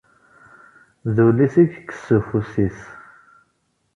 D ulli-s i ikess s ufus-is.